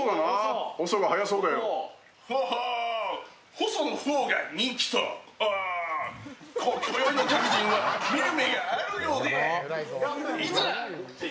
細の方が人気とは、ほう今宵の客人は見る目があるようで。